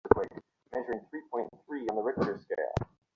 যেতে দিন আমাকে!